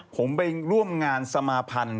ผมไปร่วมงานสมาพันธ์